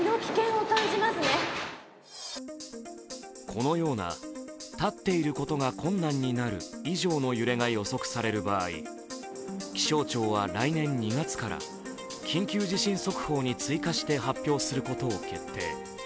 このような立っていることが困難になる以上の揺れが予測される場合、気象庁は、来年２月から緊急地震速報に追加して発表することを決定。